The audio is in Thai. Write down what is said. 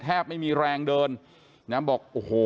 ไม่มีแรงเดินนะบอกโอ้โห